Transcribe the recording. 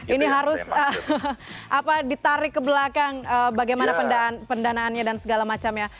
ini harus ditarik ke belakang bagaimana pendanaannya dan segala macamnya